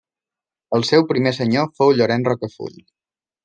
El seu primer senyor fou Llorenç Rocafull.